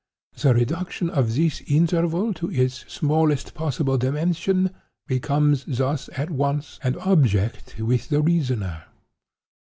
The reduction of this interval to its smallest possible dimension, becomes thus, at once, an object with the reasoner.